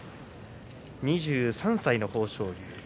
２３歳の豊昇龍。